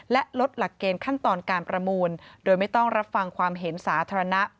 และลดหลักเกณฑ์ขั้นตอนการประมูลโดยไม่ต้องรับฟังความเห็นสาธารณะ